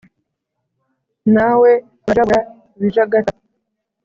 nawe urajabura ibijagata